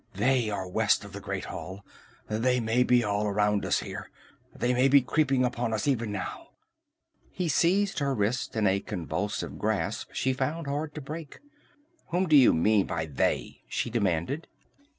"They are west of the Great Hall! They may be all around us here! They may be creeping upon us even now!" He seized her wrist in a convulsive grasp she found hard to break. "Whom do you mean by 'they'?" she demanded.